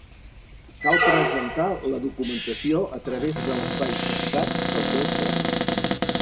Cal presentar la documentació a través de l'espai Estat dels meus tràmits.